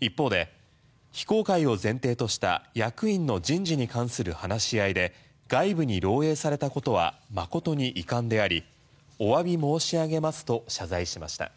一方で、非公開を前提とした役員の人事に関する話し合いで外部に漏えいされたことは誠に遺憾でありおわび申し上げますと謝罪しました。